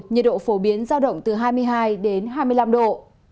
nhiệt độ phổ biến giao động từ hai mươi hai đến hai mươi năm độ